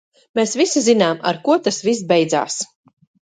Mēs visi zinām, ar ko tas viss beidzās.